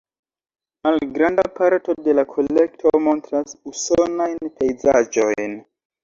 Malgranda parto de la kolekto montras usonajn pejzaĝojn.